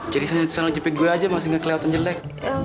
jenisannya itu sama jepit gue aja masih gak kelewatan jelek